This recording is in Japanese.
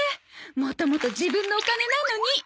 もともと自分のお金なのに。